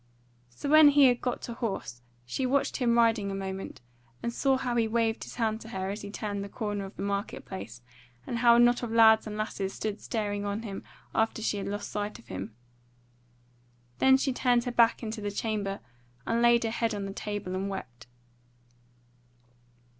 So when he had got to horse, she watched him riding a moment, and saw how he waved his hand to her as he turned the corner of the market place, and how a knot of lads and lasses stood staring on him after she lost sight of him. Then she turned her back into the chamber and laid her head on the table and wept.